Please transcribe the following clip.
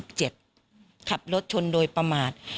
พ่อเด็กอายุ๑๗ขับรถชนโดยประมาท